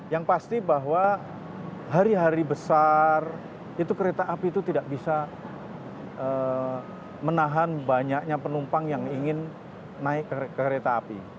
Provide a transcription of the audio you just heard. yang pasti bahwa hari hari besar itu kereta api itu tidak bisa menahan banyaknya penumpang yang ingin naik kereta api